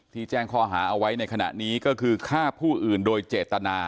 แจ้งข้อหาเอาไว้ในขณะนี้ก็คือฆ่าผู้อื่นโดยเจตนา